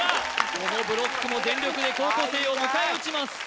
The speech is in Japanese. このブロックも全力で高校生を迎え撃ちます